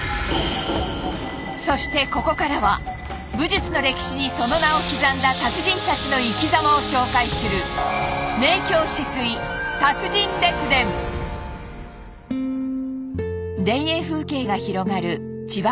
そしてここからは武術の歴史にその名を刻んだ達人たちの生きざまを紹介する田園風景が広がる千葉県成田市。